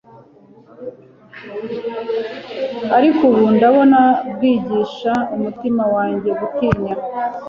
ariko ubu ndabona bwigisha Umutima wanjye gutinya